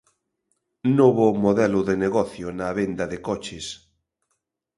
Novo modelo de negocio na venda de coches.